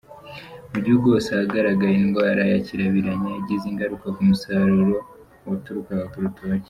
Mu gihugu hose ahagaragaye indwara ya kirabiranya yagize ingaruka ku musaruro waturukaga ku rutoki.